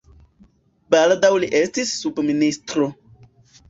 Baldaŭ li estis subministro.